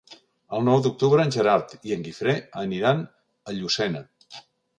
El nou d'octubre en Gerard i en Guifré aniran a Llucena.